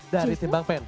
dari tim bang pain